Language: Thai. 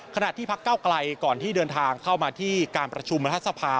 ขณะที่พักเก้าไกลก่อนที่เดินทางเข้ามาที่การประชุมรัฐสภา